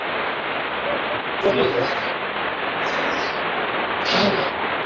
ingawa vimepungua kasi tangu mwaka elfu mbili na kumi na nane